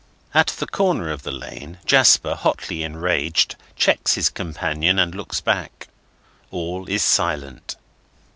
At the corner of the lane, Jasper, hotly enraged, checks his companion and looks back. All is silent.